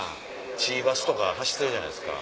ちぃばすとか走ってるじゃないですか。